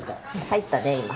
入ったね今。